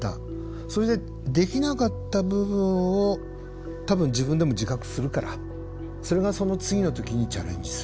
それでできなかった部分を多分自分でも自覚するからそれがその次の時にチャレンジする。